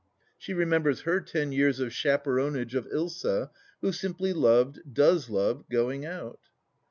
She remembers her ten years of chaperonage of Ilsa, who simply loved, does love, going out.